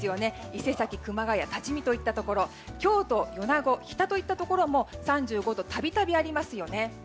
伊勢崎、熊谷多治見といったところ京都、米子日田といったところも３５度、度々ありますよね。